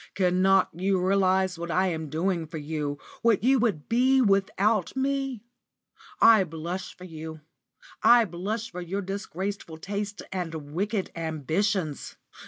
Cannot you realise what I am doing for you, what you would be without me? I blush for you; I blush for your disgraceful tastes and wicked ambitions.